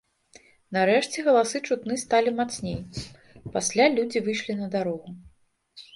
Нарэшце галасы чутны сталі мацней, пасля людзі выйшлі на дарогу.